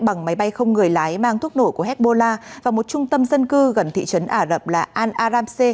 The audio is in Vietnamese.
bằng máy bay không người lái mang thuốc nổ của hezbollah và một trung tâm dân cư gần thị trấn ả rập là al aramse